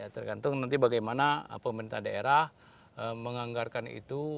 tergantung nanti bagaimana pemerintah daerah menganggarkan itu